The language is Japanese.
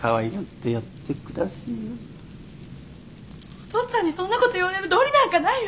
お父っつぁんにそんな事言われる道理なんかないよ。